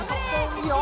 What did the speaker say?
いいよ